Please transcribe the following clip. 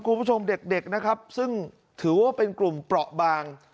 คุณผู้ชมเด็กนะครับซึ่งถือว่าเป็นกลุ่มเปราะบาง